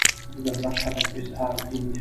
د دولت هدف اظهار دین دی.